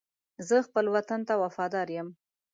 زه خپل وطن ته وفادار یم.